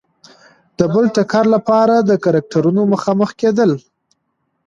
د بل ټکر لپاره د کرکټرونو مخامخ کېدل.